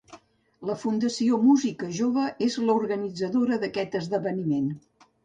La Fundació Música Jove és l'organitzadora d'aquest esdeveniment.